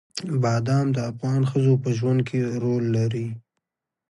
بادام د افغان ښځو په ژوند کې رول لري.